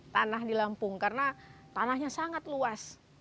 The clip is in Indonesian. tanah di lampung karena tanahnya sangat luas